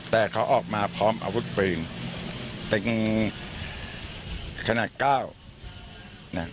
แต่เขาออกมาพร้อมอาวุธปืนเป็นขนาดเก้านะ